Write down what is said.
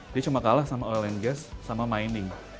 dia cuma kalah sama oil and gas sama mining